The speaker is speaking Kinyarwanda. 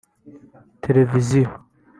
Televisiyo